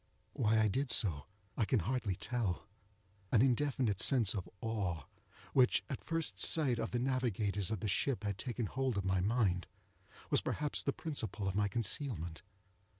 Why I did so I can hardly tell. An indefinite sense of awe, which at first sight of the navigators of the ship had taken hold of my mind, was perhaps the principle of my concealment.